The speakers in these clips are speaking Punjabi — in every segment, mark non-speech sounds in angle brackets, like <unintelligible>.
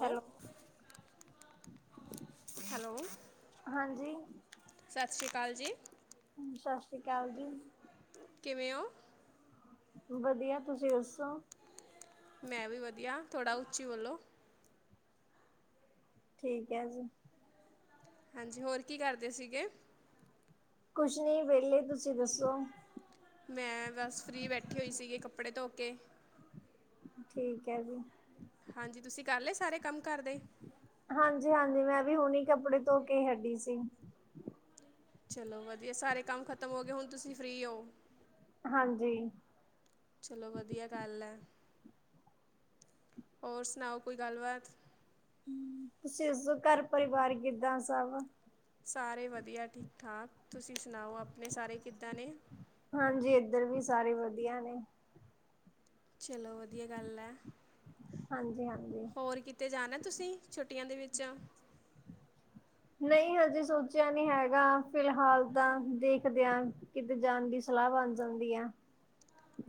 ਹੈਲੋ, ਹਾਂਜੀ। ਸਸ ਸ੍ਰੀ ਅਕਾਲ ਜੀ ਸਤਿ ਸ੍ਰੀ ਅਕਾਲ ਜੀ। ਕਿਵੇਂ ਓ? ਵਧੀਆ, ਤੁਸੀਂ ਦੱਸੋ? ਮੈਂ ਵੀ ਵਧੀਆ ਥੋੜ੍ਹਾ ਉੱਚੀ ਬੋਲੋ ਠੀਕ ਐ ਜੀ। ਹਾਂਜੀ ਹੋਰ ਕੀ ਕਰਦੇ ਸੀਗੇ? ਕੁਛ ਨੀ ਵੇਹਲੇ ਤੁਸੀਂ ਦੱਸੋ? ਮੈਂ ਬਸ ਫਰੀ ਬੈਠੀ ਹੋਈ ਸੀਗੀ। ਕੱਪੜੇ ਧੋ ਕੇ ਠੀਕ ਹੈ ਜੀ। ਹਾਂਜੀ, ਤੁਸੀਂ ਕਰ ਲਏ ਸਾਰੇ ਕੰਮ ਘਰਦੇ ਹਾਂਜੀ-ਹਾਂਜੀ ਮੈਂ ਵੀ ਹੁਣੀ ਕੱਪੜੇ ਧੋ ਕੇ ਹਟੀ ਸੀ। ਚਲੋ ਵਧੀਆ ਸਾਰੇ ਕੰਮ ਖ਼ਤਮ ਹੋਗੇ, ਹੁਣ ਤੁਸੀਂ ਫਰੀ ਹੋ। ਹਾਂਜੀ। ਚਲੋ ਵਧੀਆ ਗੱਲ ਐ ਹੋਰ ਸੁਣਾਓ ਕੋਈ ਗੱਲਬਾਤ ਤੁਸੀਂ ਦੱਸੋ? ਘਰ ਪਰਿਵਾਰ ਕਿੱਦਾਂ? ਸਭ ਸਾਰੇ ਵਧੀਆ ਠੀਕ-ਠਾਕ ਤੁਸੀਂ ਸੁਣਾਓ? ਆਪਣੇ ਸਾਰੇ ਕਿੱਦਾਂ ਨੇ ਹਾਂਜੀ ਏਧਰ ਵੀ ਸਾਰੇ ਵਧੀਆ ਨੇ। ਚਲੋ ਵਧੀਆ ਗੱਲ ਐ। ਹਾਂਜੀ-ਹਾਂਜੀ। ਹੋਰ ਕਿਤੇ ਜਾਣਾ। ਤੁਸੀਂ ਛੁੱਟੀਆਂ ਦੇ ਵਿੱਚ ਨਈ ਹਜੇ ਸੋਚਿਆ ਨੀ ਹੈਗਾ ਫਿਲਹਾਲ ਤਾਂ ਦੇਖਦੇ ਆ। ਕਿਤੇ ਜਾਣ ਦੀ ਸਲਾਹ ਬਣ ਜਾਂਦੀ ਐ।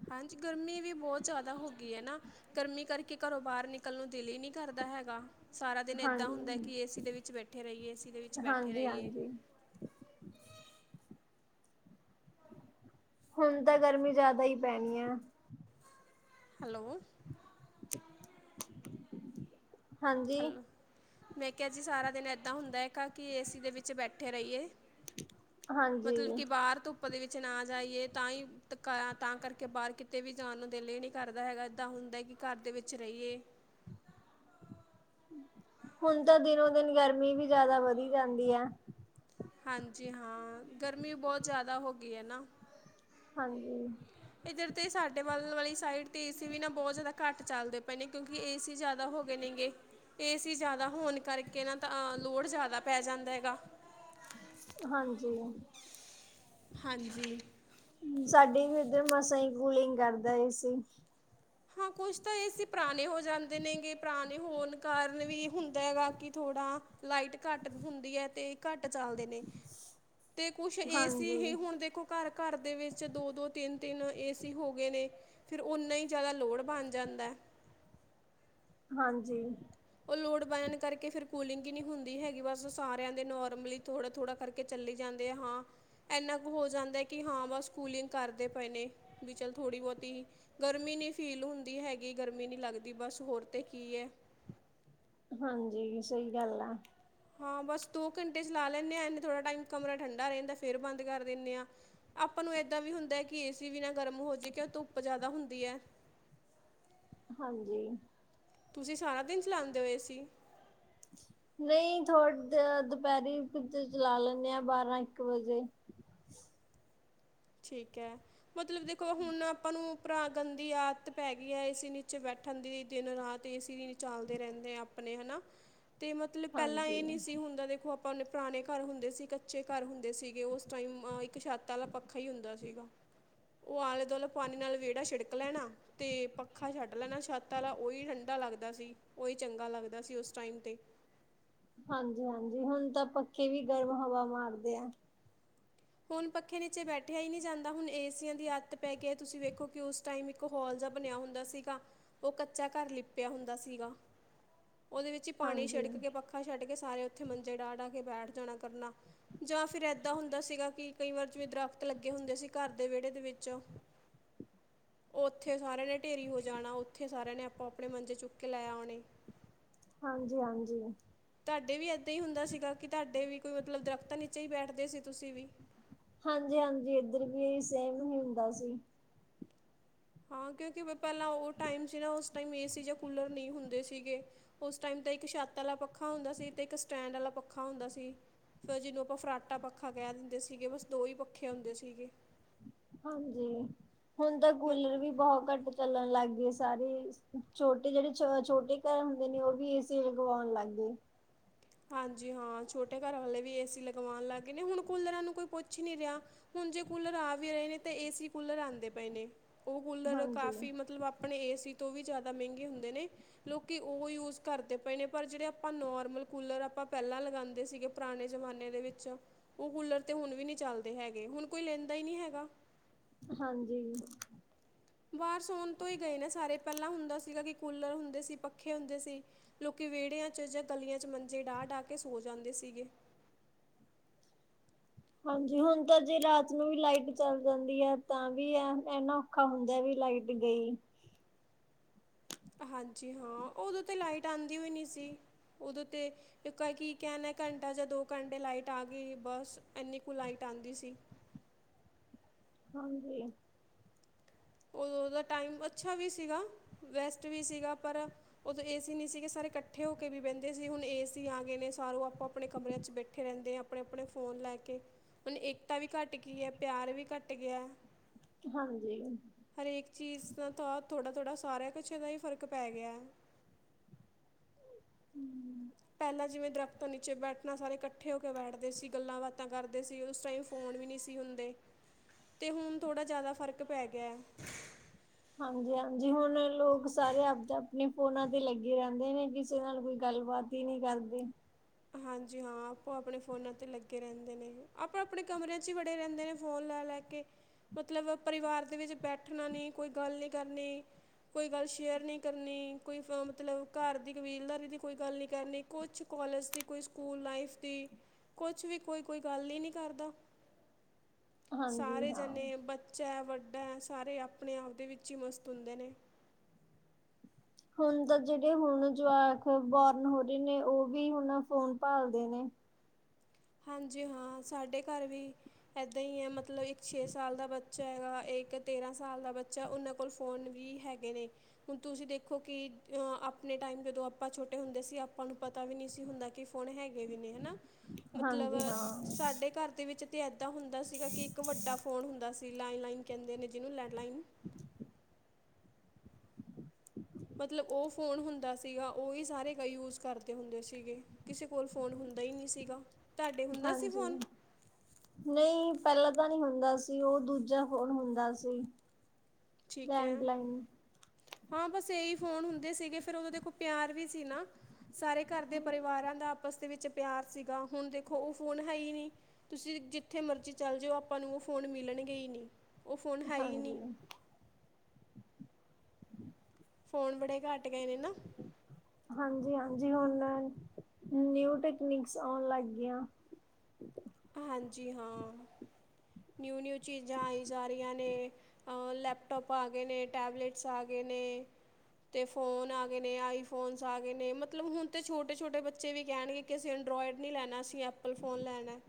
ਹਾਂਜੀ, ਗਰਮੀ ਵੀ ਬੌਤ ਜਾਦਾ ਹੋ ਗਈ ਐ ਨਾ। ਗਰਮੀ ਕਰਕੇ ਘਰੋਂ ਬਾਰ ਨਿਕਲ ਨੂੰ ਦਿਲ ਹੀ ਨੀ ਕਰਦਾ ਹੈਗਾ। ਸਾਰਾ ਦਿਨ ਹਾਂ ਏਦਾਂ ਹੁੰਦੈ, ਕਿ ਏ ਸੀ ਦੇ ਵਿੱਚ ਬੈਠੇ ਰਹੀਏ-ਏ ਸੀ ਦੇ ਵਿੱਚ ਬੈਠੇ ਹਾਂਜੀ ਰਈਏ। ਹਾਂਜੀ ਹੁਣ ਤਾਂ ਗਰਮੀ ਜਾਦਾ ਈ ਪੈਣੀ ਐ। ਹੈਲੋ। <unintelligible> ਹਾਂਜੀ ਹੈਲੋ। ਮੈਂ ਕਿਹਾ ਜੀ ਸਾਰਾ ਦਿਨ ਐਦਾਂ ਹੁੰਦਾ ਹੈਗਾ। ਕਿ ਏ ਸੀ ਦੇ ਵਿੱਚ ਬੈਠੇ ਰਈਏ। ਹਾਂਜੀ ਮਤਲਬ ਕਿ ਬਾਹਰ ਤੋਂ ਪ ਦੇ ਵਿੱਚ ਨਾ ਜਾਈਏ ਤਾਂ ਈ ਤਾਂ ਕਰਕੇ ਬਾਰ ਕਿਤੇ ਵੀ ਜਾਣ ਨੂੰ ਦਿਲ ਈ ਨੀ ਕਰਦਾ ਹੈਗਾ। ਐਦਾਂ ਹੁੰਦਾ ਕਿ ਘਰ ਦੇ ਵਿੱਚ ਰਈਏ। ਹੁਣ ਤਾਂ ਦਿਨੋ-ਦਿਨ ਗਰਮੀ ਵੀ ਜਿਆਦਾ ਵਧੀ ਜਾਂਦੀ ਐ। ਹਾਂਜੀ ਹਾਂ ਗਰਮੀ ਬਹੁਤ ਜ਼ਿਆਦਾ ਹੋ ਗਈ ਐ ਨਾ ਹਾਂਜੀ। ਏਧਰ ਤਾਂ ਸਾਡੇ ਵੱਲ ਵਾਲੀ ਸਾਈਡ ਤੇ ਏਸੀ ਵੀ ਨਾ ਬਹੁਤ ਜ਼ਿਆਦਾ ਘੱਟ ਚੱਲਦੇ ਪਏ ਨੇ ਕਿਉਂਕਿ ਏਸੀ ਜ਼ਿਆਦਾ ਹੋ ਨੇਗੇ ਏਸੀ ਜ਼ਿਆਦਾ ਹੋਣ ਕਰਕੇ ਨਾ ਤਾਂ ਲੋਡ ਜ਼ਿਆਦਾ ਪੈ ਜਾਂਦਾ ਹੈਗਾ ਹਾਂਜੀ। ਹਾਂਜੀ। ਸਾਡੀੇ ਵੀ ਉੱਧਰ ਮਸਾਂ ਹੀ ਕੂਲਿੰਗ ਕਰਦਾ ਸੀ। ਹਾਂ, ਕੁਛ ਤਾਂ ਏ ਸੀ ਪੁਰਾਣੇ ਹੋ ਜਾਂਦੇ ਨੇਗੇ ਪੁਰਾਣੇ ਹੋਣ ਕਾਰਨ ਵੀ ਹੁੰਦਾ ਹੈਗਾ ਕਿ ਥੋੜ੍ਹਾ ਲਾਈਟ ਘੱਟ ਹੁੰਦੀ ਹੈ ਤੇ, ਘੱਟ ਚਲਦੇ ਨੇ। ਤੇ ਕੁਛ ਏ ਸੀ ਹੀ ਹਾਂਜੀ ਹੁਣ ਦੇਖੋ ਘਰ-ਘਰ ਦੇ ਵਿੱਚ ਦੋ-ਦੋ, ਤਿੰਨ-ਤਿੰਨ ਏਸੀ ਹੋ ਗਏ ਨੇ, ਫੇਰ ਔਨਾ ਈ ਜੈਦਾ ਲੋੜ ਬਣ ਜਾਂਦਾ। ਹਾਂਜੀ। ਉਹ ਲੋਡ ਪੈਣ ਕਰਕੇ ਫਿਰ ਕੂਲਿੰਗ ਹੀ ਨੀ ਹੁੰਦੀ ਹੈਗੀ। ਬਸ ਸਾਰਿਆਂ ਦੇ ਨੋਰਮਲੀ ਥੋੜ੍ਹਾ-ਥੋੜ੍ਹਾ ਕਰਕ ਕੇ ਚੱਲੀ ਜਾਂਦੇ ਆ। ਹਾਂ। ਐਨਾ ਕੁ ਹੋ ਜਾਂਦੈ, ਕਿ ਹਾਂ ਬਸ ਕੂਲਿੰਗ ਕਰਦੇ ਪਏ ਨੇ ਬੀ ਚੱਲ ਥੋੜ੍ਹੀ-ਬੌਤੀ। ਗਰਮੀ ਨੀ ਫੀਲ ਹੁੰਦੀ ਹੈਗੀ, ਗਰਮੀ ਨੀ ਲੱਗਦੀ ਬਸ ਹੋਰ ਤੇ ਕੀ ਐ। ਹਾਂਜੀ। ਸਹੀ ਗੱਲ ਆ। ਹਾਂ, ਬਸ ਦੋ ਘੰਟੇ ਚਲਾ ਲੈਂਣੇ ਆਂ ਐਨੇ ਥੋੜ੍ਹਾ ਟਾਈਮ ਕਮਰਾ ਠੰਡਾ ਰੈੰਦੈ, ਫੇਰ ਬੰਦ ਕਰ ਦਿਣੇ ਆਂ। ਆਪਾਂ ਨੂੰ ਏਦਾਂ ਵੀ ਹੁੰਦੈ ਕਿ ਏਸੀ ਵੀ ਨਾ ਗਰਮ ਹੋ ਜੇ ਕਿਉ ਧੁੱਪ ਜੈਦਾ ਹੁੰਦੀ ਐ। <inaudible> ਹਾਂਜੀ। ਤੁਸੀਂ ਸਾਰਾ ਦਿਨ ਚਲਾੰਦੇ ਔ, ਏ ਸੀ? ਨਹੀਂ ਥੋੜ ਦ ਦੁਪੈਰੀ ਤੇ ਚਲਾ ਲੈਂਣੇ ਆਂ ਬਾਰਾਂ ਇੱਕ ਵਜੇ। ਠੀਕ ਹੈ। ਮਤਲਬ ਦੇਖੋ ਹੁਣ ਅਪਾਂ ਨੂੰ ਭਰਾ ਗੰਦੀ ਆਦਤ ਪੈ ਗੀਐ ਏ ਸੀ ਨੀਚੇ ਬੈਠਣ ਦੀ, ਦਿਨ- ਰਾਤ ਏ ਸੀ ਵੀ ਨੀ ਚਾਲਦੇ ਰੈਐਦੇ ਆ ਅਪਣੇ, ਹੈਨਾ। ਤੇ ਮਤਲਬ ਪੈਲਾਂ ਹਾਂਜੀ ਏ ਨੀ ਸੀ ਹੁੰਦਾ ਦੇਖੋ ਆਪਾਂ ਅਪਨੇ ਪੁਰਾਣੇ ਘਰ ਹੁੰਦੇ ਸੀ ਕੱ ਕੱਚੇ ਘਰ ਹੁੰਦੇ ਸੀਗੇ ਓਸ ਟਾਈਮ। ਅਹ ਇੱਕ ਛੱਤ ਵਾਲਾ ਪੱ ਦਾ ਸੀਗਾ। ਔ ਆਲੇ-ਦੁਆਲੇ ਪਾਣੀ ਨਾਲ ਵੇੜਾ ਛਿੜਕ ਲੈਣਾ। ਤੇ ਪੱਖਾ ਛੱਟ ਲੈਣਾ ਛੱਤ ਆਲਾ ਓਹੀ ਠੰਢਾ ਲੱਗਦਾ ਸੀ। ਓਹੀ ਚੰਗਾ ਲੱਗਦਾ ਸੀ ਉਸ ਟਾਈਮ ਤੇ। ਹਾਂਜੀ- ਹਾਂਜੀ। ਹੁਣ ਤਾਂ ਪੱਖੇ ਵੀ ਗਰਮ ਹਵਾ ਮਾਰਦੇ ਐ। ਹੁਣ ਪੱਖੇ ਨੀਚੇ ਬੈਠਿਆ ਈ ਨੀ ਜਾਂਦਾ। ਹੁਣ, ਏਸੀਆਂ ਦੀ ਆੱਦਤ ਪੈ ਕੇ ਐਤੁਸੀਂ ਵੇਖੋ ਕਿ ਉਸ ਟਾਈਮ ਇੱਕ ਹੋਲ ਜਾ ਬਣਿਆ ਹੁੰਦਾ ਸੀਗਾ। ਓਹ ਕੱਚਾ ਘਰ ਲਿਪਿਆ ਹੁੰਦਾ ਸੀਗਾ। ਓਦੇ ਵਿੱਚ ਈ ਪਾਣੀ ਹਾਂਜੀ ਛਿੜਕ ਕੇ ਪੱਖ ਪੱਖਾ ਛੱਡ ਕੇ ਸਾਰੇ ਔਥੇ ਮੰਜੇ ਡਾਹ ਡਾ ਕੇ ਬੈਠ ਜਾਣਾ ਕਰਨਾ, ਜਾਂ ਫਿਰ ਐਦਾਂ ਹੁੰਦਾ ਸੀਗਾ। ਕਿ ਕਈ ਵਾਰ ਜਿਵੇਂ ਦਰਖਤ ਲੱਗੇ ਹੁੰਦੇ ਸੀ ਘਰ ਦੇ ਵੇੜੇ ਦੇ ਵਿੱਚ। ਔਥੇ ਸਾਰਿਆਂ ਨੇ ਢੇਰੀ ਹੋ ਜਾਣਾ, ਔਥੇ ਸਾਰਿਆਂ ਨੇ ਆਪੋ- ਅਪਣੇ ਮੰਜੇ ਚੁੱਕ ਕੇ ਲੈ ਆਉਣੇ। ਹਾਂਜੀ- ਹਾਂਜੀ। ਤੁਹਾਡੇ ਵੀ ਏਦਾਂ ਹੀ ਹੁੰਦਾ ਸੀਗਾ, ਕਿ ਤੁਹਾਡੇ ਵੀ ਕੋਈ ਮਤਲਬ ਦਰਖ਼ਤਾਂ ਨੀਚੇ ਹੀ ਬੈਠਦੇ ਸੀ ਤੁਸੀਂ ਵੀ। ਹਾਂਜੀ- ਹਾਂਜੀ। ਇੱਧਰ ਵੀ ਸੇਮ ਹੀ ਹੁੰਦਾ ਸੀ। ਹਾਂ, ਕਿਉਂਕਿ ਪਹਿਲਾਂ ਉਹ ਟਾਈਮ ਸੀ ਨਾ ਉਸ ਟਾਈਮ ਏ ਸੀ ਜਾਂ ਕੂਲਰ ਨਹੀਂ ਹੁੰਦੇ ਸੀਗੇ। ਉਸ ਟਾਈਮ ਤੇ ਇੱਕ ਛੱਤ ਵਾਲਾ ਪੱਖਾ ਹੁੰਦਾ ਸੀ, ਤੇ ਇੱਕ ਸਟੈਂਡ ਵਾਲਾ ਪੱਖਾ ਹੁੰਦਾ ਸੀ। ਫਿਰ ਜਿਹਨੂੰ ਆਪਾਂ ਫਰਾਟਾ ਪੱਖਾ ਕਹਿ ਦਿੰਦੇ ਸੀਗੇ, ਬਸ ਦੋ ਹੀ ਪੱਖੇ ਹੁੰਦੇ ਸੀਗੇ। ਹਾਂਜੀ। ਹੁਣ ਤਾਂ ਮ ਕੂਲਰ ਵੀ ਬਹੁਤ ਘੱਟ ਚੱਲਣ ਲੱਗ ਗੀਏ ਸਾਰੀ। ਛੋਟੇ ਜਿੜੇ ਛੋਟੇ ਘਰ ਹੁੰਦੇ ਨੇ ਓਹ ਵੀ ਏ ਸੀ ਲਗਵੋਣ ਲੱਗ ਗੇ। ਹਾਂਜੀ। ਹਾਂ, ਛੋਟੇ ਘਰ ਵਾਲੇ ਵੀ ਏ ਸੀ ਲਗਵਾਣ ਲੱਗ ਗਏ ਨੇ। ਹੁਣ, ਕੁਲਰਾਂ ਨੂੰ ਕੋਈ ਪੁੱਛ ਹੀ ਨੀ ਰਿਆ। ਹੁਣ ਜੇ ਕੂਲਰ ਆ ਵੀ ਰਏ ਨੇ ਤੇ ਏਸੀ ਕੂਲਰ ਆੰਦੇ ਪਏ ਨੇ। ਔ ਕੂਲਰ ਹਾਂਜੀ ਕਾਫੀ ਮਤਲਬ ਆਪਣੇ ਏ ਸੀ ਤੋਂ ਵੀ ਜਾਦਾ ਮੈੰਗੇ ਹੁੰਦੇ ਨੇ, ਲੋਕੀ ਓਹ ਯੂਸ ਕਰਦੇ ਪਏ ਨੇ, ਪਰ ਜੇੜੇ ਅਪਾਂ ਨੋਰਮਲ ਕੂਲਰ ਅਪਾਂ ਪੈਲਾਂ ਲਗਾੰਦੇ ਸੀਗੇ, ਪੁਰਾਣੇ ਜਮਾਨੇ ਦੇ ਵਿੱਚ‌ ਓਹ ਕੂਲਰ ਤੇ ਹੁਣ ਵੀ ਨੀ ਚੱਲਦੇ ਹੈਗੇ। ਹੁਣ ਕੋਈ ਲੈਂਦਾ ਈ ਨੀ ਹੈਗਾ। ਹਾਂਜੀ। ਬਾਰ ਸੌਣ ਤੋਂ ਹੀ ਗਏ ਨੇ ਸਾਰੇ, ਪੈਲਾਂ ਹੁੰਦਾ ਸੀਗਾ ਕਿ ਕੂਲਰ ਹੁੰਦੇ ਸੀ, ਪੱਖੇ ਹੁੰਦੇ ਸੀ। ਲੋਕੀ ਵੇੜਿਆਂ ਚ ਜਾਂ ਗਲੀਆਂ ਚ ਮੰਜੀ ਡਾ-ਡਾ ਕੇ ਸੋ ਜਾਂਦੇ ਸੀਗੇ। ਹਾਂਜੀ, ਹੁਣ ਤਾਂ ਜੇ ਰਾਤ ਨੂੰ ਵੀ ਲਾਈਟ ਚੱਲ ਜਾਂਦੀ ਐ ਤਾਂ ਵੀ ਐ ਐਹ ਨਾ ਔਖਾ ਹੁੰਦੈ ਬੀ ਲਾਈਟ ਗਈ। ਹਾਂਜੀ ਹਾਂ, ਓਦੋਂ ਤੇ ਲਾਈਟ ਆੰਦੀ ਵੀਈ ਨੀ ਸੀ, ਉਦੋਂ ਤੇ ਇੱਕੋਏ ਕੀ ਕੈਣਾ ਘੰਟਾ ਜਾਂ ਦੋ ਘੰਟੇ ਲਾਈਟ ਆ ਗੀ ਬਸ ਐਨੀ ਕੁ ਲਾਈਟ ਆੰਦੀ ਸੀ। <unintelligible> ਉਦੋਂਦਾ ਟਾਈਮ ਅੱਛਾ ਵੀ ਸੀਗਾ ਵੈਸਟ ਵੀ ਸੀਗਾ ਪਰ ਉਦੋਂ ਏਸੀ ਨਹੀਂ ਸੀਗੇ ਸਾਰੇ ਇਕੱਠੇ ਹੋ ਕੇ ਵੀ ਬੈਂਦੇ ਸੀ ਹੁਣ ਏਸੀ ਆ ਗਏ ਨੇ ਸਾਰੋਂ ਆਪਾਂ ਆਪਣੇ ਕਮਰਿਆਂ ਚ ਬੈਠੇ ਰੈਂਦੇ ਆ ਆਪਣੇ ਆਪਣੇ ਫ਼ੋਨ ਲੈ ਕੇ ਉਨ ਏਕਤਾ ਵੀ ਘੱਟ ਗਈ ਹੈ ਪਿਆਰ ਵੀ ਘੱਟ ਗਿਆ ਹਾਂਜੀ ਹਰੇਕ ਚੀਜ਼ ਦਾ ਤਾਂ ਥੋੜ੍ਹਾ ਥੋੜ੍ਹਾ ਸਾਰਾ ਕੁਛ ਇਹਦਾ ਹੀ ਫ਼ਰਕ ਪੈ ਗਿਆ। ਹਮ ਪਹਿਲਾਂ ਜਿਵੇਂ ਦਰੱਖਤਾਂ ਨੀਚੇ ਬੈਠਣਾ ਸਾਰੇ ਇਕੱਠੇ ਹੋ ਕੇ ਬੈਠਦੇ ਸੀ ਗੱਲਾਂ ਬਾਤਾਂ ਕਰਦੇ ਸੀ ਉਸ ਟਾਈਮ ਫੋਨ ਵੀ ਨਹੀਂ ਸੀ ਹੁੰਦੇ ਤੇ ਹੁਣ ਥੋੜਾ ਜਿਆਦਾ ਫ਼ਰਕ ਪੈ ਗਿਆ ਹਾਂਜੀ ਹਾਂਜੀ ਹੁਣ ਲੋਕ ਸਾਰੇ ਆਪ ਆਪਣੇ ਫੋਨਾਂ ਤੇ ਲੱਗੇ ਰੈਂਦੇ ਨੇ ਕਿਸੇ ਨਾਲ ਕੋਈ ਗੱਲਬਾਤ <unintelligible> ਹਾਂਜੀ ਹਾਂ ਆਪੋ ਆਪਣੇ ਫੋਨਾਂ ਤੇ ਲੱਗੇ ਰਹਿੰਦੇ ਨੇ ਆਪਾਂ ਆਪਣੇ ਕਮਰਿਆਂ ਚ ਹੀ ਵੜੇ ਰੈਂਦੇ ਨੇ ਫੋਨ ਲੈ ਲੈ ਕੇ ਮਤਲਬ ਪਰਿਵਾਰ ਦੇ ਵਿੱਚ ਬੈਠਣਾ ਨੀ ਕੋਈ ਗੱਲ ਨੀ ਕਰਨੀ ਕੋਈ ਗੱਲ ਸ਼ੇਅਰ ਨਹੀਂ ਕਰਨੀ ਕੋਈ ਫ ਮਤਲਬ ਘਰ ਦੀ ਕਬੀਲਦਾਰੀ ਦੀ ਕੋਈ ਗੱਲ ਨਹੀਂ ਕਰਨੀ ਕੁਛ ਕੋਲਜ ਕੋਈ ਸਕੂਲ ਲਾਈਫ ਦੀ ਕੁਛ ਵੀ ਕੋਈ ਕੋਈ ਗੱਲ ਹੀ ਨਹੀਂ ਕਰਦਾ ਹਾਂਜੀ ਸਾਰੇ ਹਾਂ ਜਣੇ ਬੱਚਾ ਹੈ ਵੱਡਾ ਸਾਰੇ ਆਪਣੇ ਆਪ ਦੇ ਵਿੱਚ ਹੀ ਮਸਤ ਹੁੰਦੇ ਨੇ ਹੁਣ ਤਾਂ ਜਿਹੜੇ ਹੁਣ ਜਵਾਕ ਬੋਰਨ ਹੋ ਰਹੇ ਨੇ ਉਹ ਵੀ ਹੁਣ ਫੋਨ ਭਾਲਦੇ ਨੇ ਹਾਂਜੀ ਹਾਂ ਸਾਡੇ ਘਰ ਵੀ ਇੱਦਾਂ ਹੀ ਹੈ ਮਤਲਬ ਇੱਕ ਛੇ ਸਾਲ ਦਾ ਬੱਚਾ ਹੈਗਾ ਇੱਕ ਤੇਰਾਂ ਸਾਲ ਦਾ ਬੱਚਾ ਉਨਾਂ ਕੋਲ ਕੋਲ ਫੋਨ ਵੀ ਹੈਗੇ ਨੇ ਹੁਣ ਤੁਸੀਂ ਦੇਖੋ ਕਿ ਅ ਆਪਣੇ ਟਾਈਮ ਜਦੋਂ ਆਪਾਂ ਛੋਟੇ ਹੁੰਦੇ ਸੀ ਆਪਾਂ ਨੂੰ ਪਤਾ ਵੀ ਨਹੀਂ ਸੀ ਹੁੰਦਾ ਕਿ ਫੋਨ ਹੈਗੇ ਵੀ ਨੇ ਹਨਾ ਮਤਲਬ ਹਾਂਜੀ ਹਾਂ, ਸਾਡੇ ਘਰ ਦੇ ਵਿੱਚ ਤੇ ਏਦਾਂ ਹੁੰਦਾ ਸੀਗਾ ਕਿ ਇੱਕ ਵੱਡਾ ਫੋਨ ਹੁੰਦਾ ਸੀ ਲੈਂਡ ਲਈਨ ਕੈਂਦੇ ਨੇ ਜਿਨੂੰ ਲੈਂਡ ਲਈਨ ਮਤਲਬ ਉਹ ਫੋਨ ਹੁੰਦਾ ਸੀਗਾ ਉਹੀ ਸਾਰੇ ਕ ਯੂਜ ਕਰਦੇ ਹੁੰਦੇ ਸੀਗੇ ਕਿਸੇ ਕੋਲ ਫੋਨ ਹੁੰਦਾ ਹੀ ਨਹੀਂ ਸੀਗਾ ਤੁਹਾਡੇ ਹੁੰਦਾ ਸੀ ਹਾਂਜੀ ਫੋਨ ਨਹੀਂ ਪਹਿਲਾਂ ਤਾਂ ਨਹੀਂ ਹੁੰਦਾ ਸੀ ਉਹ ਦੂਜਾ ਫੋਣ ਹੁੰਦਾ ਸੀ ਠੀਕ ਹੈ ਲੈਂਡਲਾਈਨ ਹਾਂ ਬਸ ਇਹੀ ਫੋਨ ਹੁੰਦੇ ਸੀਗੇ ਫਿਰ ਉਦੋ ਵੇਖੌ ਪਿਆਰ ਵੀ ਸੀ ਨਾ ਸਾਰੇ ਘਰ ਦੇ ਪਰਿਵਾਰਾਂ ਦਾ ਆਪਸ ਦੇ ਵਿੱਚ ਪਿਆਰ ਸੀਗਾ, ਹੁਣ ਦੇਖੋ ਉਹ ਫੋਨ ਹੈ ਹੀ ਨਹੀਂ। ਤੁਸੀਂ ਜਿੱਥੇ ਮਰਜ਼ੀ ਚੱਲ ਜਾਓ ਆਪਾਂ ਨੂੰ ਉਹ ਫ਼ੋਨ ਮਿਲਣਗੇ ਹੀ ਨਹੀਂ ਉਹ ਫ਼ੋਨ ਹੈ ਹੀ ਨਹੀਂ। ਹਾਂਜੀ, ਫੋਨ ਬੜੇ ਘੱਟ ਗਏ ਨੇ ਨਾ। ਹਾਂਜੀ, ਹਾਂਜੀ ਹੁਣ ਨਿਊ ਟੈਕਨੀਕਸ ਆਉਣ ਲੱਗ ਗਈਆਂ। ਹਾਂਜੀ ਹਾਂ, ਨਿਊ, ਨਿਊ ਚੀਜ਼ਾਂ ਆਈ ਜਾ ਰਹੀਆਂ ਨੇ। ਅ ਲੈਪਟੋਪ ਆ ਗਏ ਨੇ, ਟੈਬਲੇਟਸ ਆ ਗਏ ਨੇ। ਤੇ ਫੋਨ ਆ ਗਏ ਨੇ, ਆਈ ਫੋਨਸ ਆ ਗਏ ਨੇ ਮਤਲਬ ਹੁਣ ਤੇ ਛੋਟੇ, ਛੋਟੇ ਬੱਚੇ ਵੀ ਕੈਣਗੇ। ਅਸੀਂ ਐਂਡਰਾਇਡ ਨੀ ਲੈਣਾ ਅਸੀਂ ਐਪਲ ਫੋਨ ਲੈਣਾ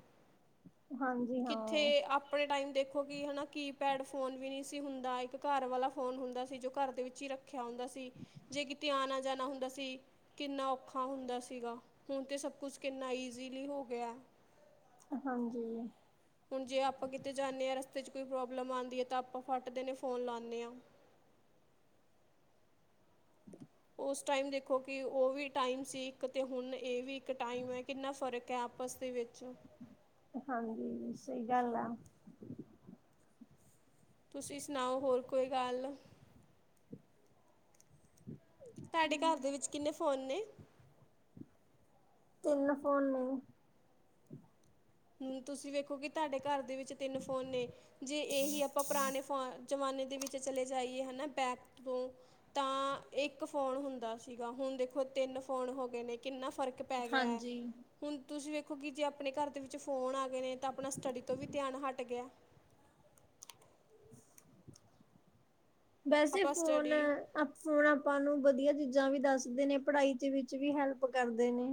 ਹਾਂਜੀ ਕਿੱਥੇ ਹਾਂ, ਆਪ ਆਪਣੇ ਟਾਈਮ ਦੇਖੋ ਕਿ ਹੈ ਨਾ ਕੀਪੈਡ ਫੋਨ ਵੀ ਨਹੀਂ ਸੀ ਹੁੰਦਾ ਇੱਕ ਘਰ ਵਾਲਾ ਫੋਨ ਹੁੰਦਾ ਸੀ ਜੋ ਘਰ ਦੇ ਵਿੱਚ ਹੀ ਰੱਖ ਰਖਿਆ ਹੁੰਦਾ ਸੀ ਜੇ ਕਿਤੇ ਆਣਾ ਜਾਣਾ ਹੁੰਦਾ ਸੀ ਕਿੰਨਾ ਔਖਾ ਹੁੰਦਾ ਸੀਗਾ ਹੁਣ ਤੇ ਸਭ ਕੁਛ ਕਿੰਨਾ ਈਜ਼ੀਲੀ ਹੋ ਗਿਆ ਹਾਂਜੀ ਹੁਣ ਜੇ ਆਪਾਂ ਕਿਤੇ ਜਾਂਦੇ ਹਾਂ ਰਸਤੇ 'ਚ ਕੋਈ ਪ੍ਰੋਬਲਮ ਆਦੀ ਹੈ ਤਾਂ ਆਪਾਂ ਫੱਟਦੇ ਨੇ ਫੋਨ ਲਾਦੇ ਹਾਂ ਉਸ ਟਾਈਮ ਦੇਖੋ ਕਿ ਉਹ ਵੀ ਟਾਈਮ ਸੀ ਇੱਕ ਅਤੇ ਹੁਣ ਇਹ ਵੀ ਇੱਕ ਟਾਈਮ ਹੈ ਕਿੰਨਾ ਫ਼ਰਕ ਕੈਂਪਸ ਦੇ ਵਿੱਚ ਹਾਂਜੀ ਸਹੀ ਗੱਲ ਆ ਤੁਸੀਂ ਸੁਣਾਓ ਹੋਰ ਕੋਈ ਗੱਲ ਤੁਹਾਡੇ ਘਰ ਦੇ ਵਿੱਚ ਕਿੰਨੇ ਫੋਨ ਨੇ ਤਿੰਨ ਫੋਨ ਨੇ ਤੁਸੀਂ ਵੇਖੋ ਕਿ ਤੁਹਾਡੇ ਘਰ ਦੇ ਵਿੱਚ ਤਿੰਨ ਫੋਨ ਨੇ ਜੇ ਇਹੀ ਆਪਾਂ ਪੁਰਾਣੇ ਫੋ ਜ਼ਮਾਨੇ ਦੇ ਵਿੱਚ ਚਲੇ ਜਾਈਏ ਹਨਾ ਪੈਕ ਤੋਂ ਤਾਂ ਇੱਕ ਫੋਨ ਹੁੰਦਾ ਸੀਗਾ ਹੁਣ ਦੇਖੋ ਤਿੰਨ ਫੋਨ ਹੋ ਗਏ ਨੇ ਕਿੰਨਾ ਫ਼ਰਕ ਪੈ ਗਿਆ ਹੈ, ਹਾਂਜੀ। ਹੁਣ ਤੁਸੀਂ ਵੇਖੋ ਕਿ ਜੇ ਆਪਣੇ ਘਰ ਦੇ ਵਿੱਚ ਵਿੱਚ ਫੋਨ ਆ ਗਏ ਨੇ, ਤਾਂ ਆਪਣਾ ਸਟੱਡੀ ਤੋਂ ਵੀ ਧਿਆਨ ਹਟ ਗਿਆ। ਵੈਸੇ ਆਪਾਂ ਫੋਨ ਸਟੱਡੀ ਹੁਣ ਆਪਾਂ ਨੂੰ ਵਧੀਆ ਚੀਜ਼ਾਂ ਵੀ ਦੱਸਦੇ ਨੇ ਪੜ੍ਹਾਈ ਵਿਚ ਵੀ ਹੈਲਪ ਕਰਦੇ ਨੇ।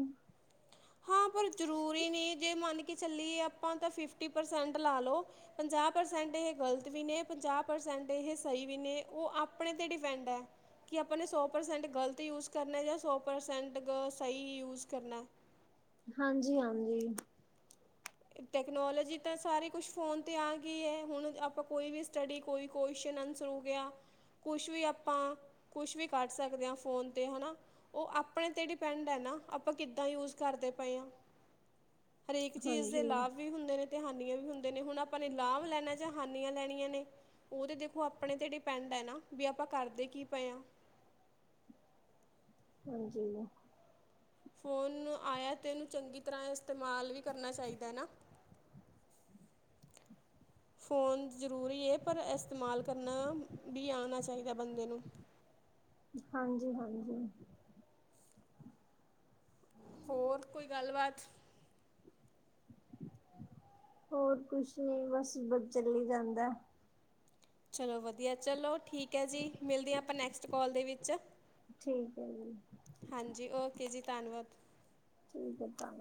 ਹਾਂ ਪਰ ਜ਼ਰੂਰੀ ਨਹੀਂ ਜੇ ਮੰਨ ਕੇ ਚੱਲੀਏ ਆਪਾਂ ਤਾਂ ਫਿਫਟੀ ਪਰਸੈਂਟ ਲਾ ਲਓ। ਪੰਜਾਹ ਪ੍ਰਸੈਂਟ ਇਹ ਗ਼ਲਤ ਵੀ ਨੇ ਪੰਜਾਹ ਪ੍ਰਸੈਂਟ ਇਹ ਸਹੀ ਵੀ ਨੇ ਉਹ ਆਪਣੇ ਤੇ ਡਿਪੈਂਡ ਹੈ। ਕਿ ਆਪਣੇ ਸੌ ਪ੍ਰਸੈਂਟ ਗਲਤ ਯੂਜ ਕਰਨਾ ਜਾਂ ਸੌ ਪ੍ਰਸੈਂਟ ਸਹੀ ਯੂਜ ਕਰਨਾ। ਹਾਂਜੀ, ਹਾਂਜੀ ਟੈਕਨੋਲੋਜੀ ਤਾਂ ਸਾਰੇ ਕੁਛ ਫ਼ੋਨ 'ਤੇ ਆ ਗਈ ਹੈ ਹੁਣ ਆਪਾਂ ਕੋਈ ਵੀ ਸਟੱਡੀ ਕੋਈ ਕੁਸ਼ਚਨ ਆਨਸਰ ਹੋ ਗਿਆ। ਕੁਛ ਵੀ ਆਪਾਂ ਕੁਛ ਵੀ ਕੱਢ ਸਕਦੇ ਹਾਂ ਫੋਨ 'ਤੇ ਹੈਨਾ। ਉਹ ਆਪਣੇ ਤੇ ਡਿਪੈਂਡ ਹੈ ਨਾ ਆਪਾਂ ਕਿੱਦਾਂ ਯੂਜ ਕਰਦੇ ਪਏ ਹਾਂ। ਹਰੇਕ ਚੀਜ਼ ਦੇ ਹਾਂਜੀ, ਲਾਭ ਵੀ ਹੁੰਦੇ ਨੇ ਤੇ ਹਾਨੀਆਂ ਵੀ ਹੁੰਦੇ ਨੇ ਹੁਣ ਆਪਾਂ ਨੇ ਲਾਭ ਲੈਣਾ ਜਾਂ ਹਾਨੀਆਂ ਲੈਣੀਆਂ ਨੇ। ਉਹ ਤੇ ਦੇਖੋ ਆਪਣੇ ਤੇ ਡਿਪੈਂਡ ਹੈ ਨਾ ਵੀ ਆਪਾਂ ਕਰਦੇ ਕੀ ਪਏ ਹਾਂ। ਹਾਂਜੀ। ਫ਼ੋਨ ਆਇਆ ਤੇ ਇਹਨੂੰ ਚੰਗੀ ਤਰ੍ਹਾਂ ਇਸਤੇਮਾਲ ਵੀ ਕਰਨਾ ਚਾਹੀਦਾ ਹੈ ਨਾ। <inaudible> ਫ਼ੋਨ ਜ਼ਰੂਰੀ ਹੈ ਪਰ ਇਸਤੇਮਾਲ ਕਰਨਾ ਵੀ ਆਉਣਾ ਚਾਹੀਦਾ ਬੰਦੇ ਨੂੰ। ਹਾਂਜੀ, ਹਾਂਜੀ। ਹੋਰ ਕੋਈ ਗੱਲਬਾਤ ਹੋਰ ਕੁਛ ਨੀ ਬਸ, ਬਸ ਚੱਲ ਹੀ ਜਾਂਦਾ। ਚਲੋ ਵਧੀਆ ਚਲੋ ਠੀਕ ਹੈ ਜੀ ਮਿਲਦੇ ਹਾਂ ਆਪਾਂ ਨੈਕਸਟ ਕੋਲ ਦੇ ਵਿੱਚ। ਠੀਕ ਹੈ ਜੀ। ਹਾਂਜੀ, ਓਕੇ ਜੀ ਧੰਨਵਾਦ। ਠੀਕ ਆਂ।